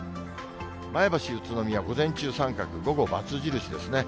前橋、宇都宮、午前中三角、午後、ばつ印ですね。